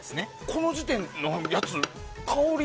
この時点のやつ香り